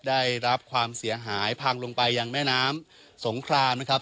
ได้รับความเสียหายพังลงไปยังแม่น้ำสงครามนะครับ